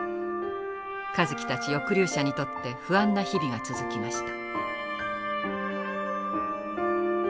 香月たち抑留者にとって不安な日々が続きました。